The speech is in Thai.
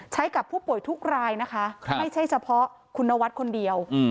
กับผู้ป่วยทุกรายนะคะไม่ใช่เฉพาะคุณนวัดคนเดียว